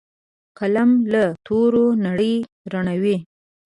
قلم له تورو نړۍ رڼوي